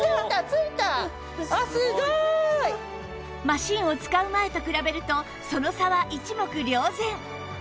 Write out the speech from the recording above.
マシンを使う前と比べるとその差は一目瞭然